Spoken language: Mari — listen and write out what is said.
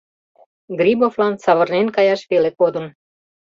Грибовлан савырнен каяш веле кодын.